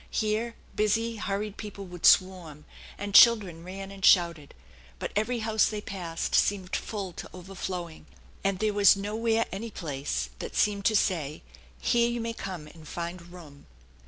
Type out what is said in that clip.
Here busy, hurried people would swarm, and children ran and shouted ; but every house they passed seemed full to overflowing, and there was nowhere any place that seemed to say, " Here you may come and find room!"